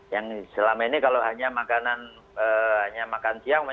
yang selama ini kalau hanya makan siang